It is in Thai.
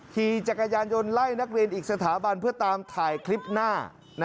ขี่จักรยานยนต์ไล่นักเรียนอีกสถาบันเพื่อตามถ่ายคลิปหน้า